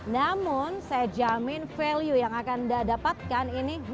namun saya jamin value yang akan didapatkan ini